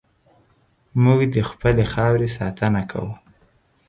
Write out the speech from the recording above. موږ د خپلې خاورې ساتنه کوو.